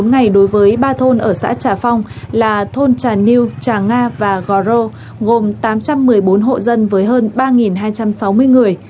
một mươi ngày đối với ba thôn ở xã trà phong là thôn trà liêu trà nga và gò rô gồm tám trăm một mươi bốn hộ dân với hơn ba hai trăm sáu mươi người